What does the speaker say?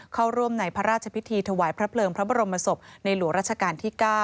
เข้าร่วมในพระราชพิธีถวายพระเพลิงพระบรมศพในหลวงราชการที่๙